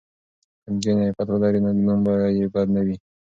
که نجونې عفت ولري نو نوم به یې بد نه وي.